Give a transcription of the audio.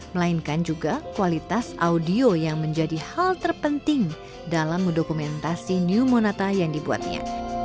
melainkan juga kualitas audio yang menjadi hal terpenting dalam mendokumentasi new monata yang dibuatnya